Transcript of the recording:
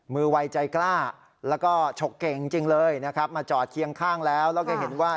มือวัยใจกล้าแล้วก็ฉกเก่งจริงเลยนะครับมาจอดเคียงข้างแล้วแล้วก็เห็นว่า